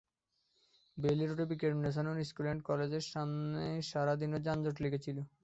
Bailey রোডে Viqarunnisa Noon school and কলেজের সামনে সারা দিনই যানজট লেগে ছিল।